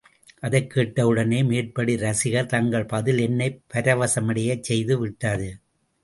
அதைக் கேட்ட உடனே மேற்படி ரசிகர், தங்கள் பதில் என்னைப் பரவசமடையச் செய்து விட்டது.